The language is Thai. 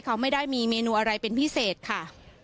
เขาไม่ได้มีเมนูอะไรเป็นพิเศษค่ะ